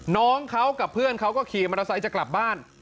น้องเขากับเพื่อนเขาก็ขี่มอเตอร์ไซค์จะกลับบ้าน